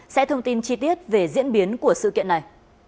sẽ thông tin chi tiết về diễn biến của sự kiện này